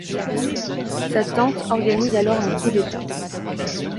Sa tante organise alors un coup d'État.